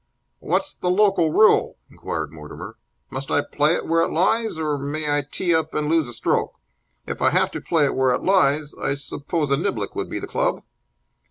"What's the local rule?" inquired Mortimer. "Must I play it where it lies, or may I tee up and lose a stroke? If I have to play it where it lies, I suppose a niblick would be the club?"